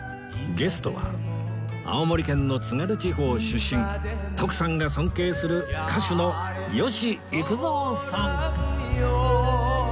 ゲストは青森県の津軽地方出身徳さんが尊敬する歌手の吉幾三さん